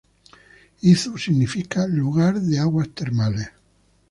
Izu significa "lugar de aguas termales".